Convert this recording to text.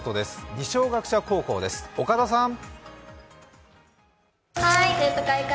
二松学舎高校です、岡田さん。